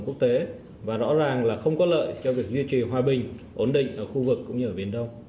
quốc tế và rõ ràng là không có lợi cho việc duy trì hòa bình ổn định ở khu vực cũng như ở biển đông